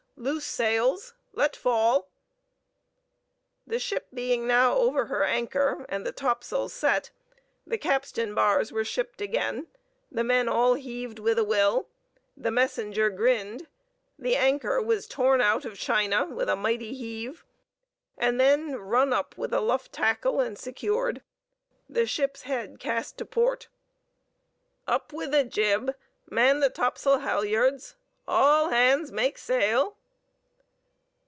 Loose sails. Let fall!" The ship being now over her anchor, and the topsails set, the capstan bars were shipped again, the men all heaved with a will, the messenger grinned, the anchor was torn out of China with a mighty heave, and then run up with a luff tackle and secured; the ship's head cast to port: "Up with a jib! man the topsail halyards! all hands make sail!"